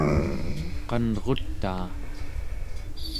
qanrutaa